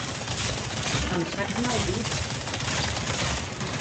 Em sagna el dit!